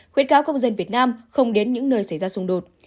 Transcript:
khuyến cáo công dân việt nam không đến những nơi xảy ra xung đột